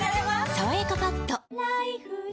「さわやかパッド」